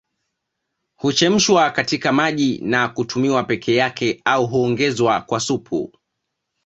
Huchemshwa katika maji na kutumiwa peke yake au huongezwa kwa supu